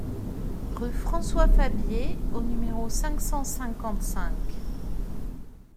Rue François Fabié au numéro cinq cent cinquante-cinq